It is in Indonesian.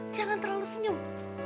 jangan terlalu senyum